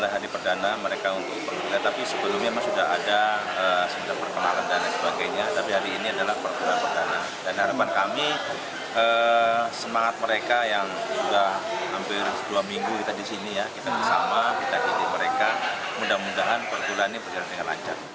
kita bersama kita jadi mereka mudah mudahan perkembangan ini berjalan dengan lancar